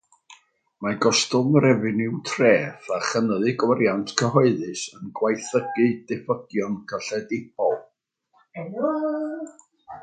Mae gostwng refeniw treth a chynyddu gwariant cyhoeddus yn gwaethygu diffygion cyllidebol.